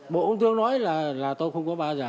bộ công thương nói là tôi không có bao giờ